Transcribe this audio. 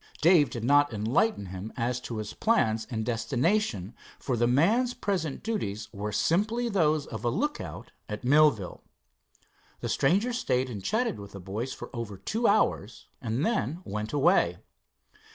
Dave did not enlighten him as to his plans and destination, for the man's present duties were simply those of a lookout at Millville. The stranger stayed and chatted with the boys for over two hours, and then went away.